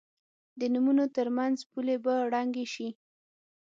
د نومونو تر منځ پولې به ړنګې شي.